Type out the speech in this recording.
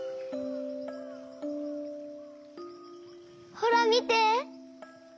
ほらみて！